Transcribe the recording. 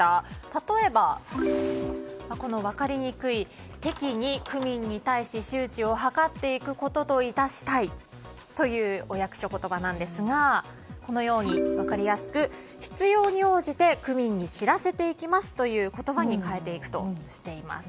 例えば、この分かりにくい適宜区民に対し周知を図っていくことと致したいというお役所言葉なんですがこのように分かりやすく必要に応じて区民に知らせていきますという言葉に変えていくとしています。